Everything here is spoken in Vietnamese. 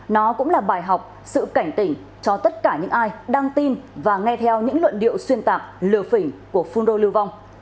nó cũng là bài học sự cảnh tỉnh cho tất cả những ai đang tin và nghe theo những luận điệu xuyên tạc lừa phỉnh của phun rô lưu vong